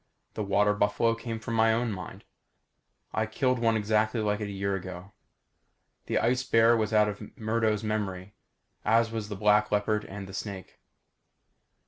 The water buffalo came from my own mind. I killed one exactly like it a year ago. The ice bear was out of Murdo's memory as was the black leopard and the snake.